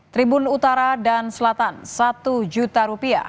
tribun utara dan selatan rp satu